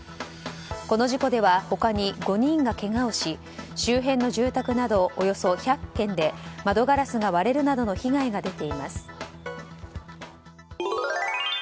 この事故では他に５人がけがをし周辺の住宅などおよそ１００軒で窓ガラスが割れるなどの被害が出ています。